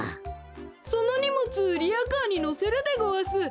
そのにもつリアカーにのせるでごわす。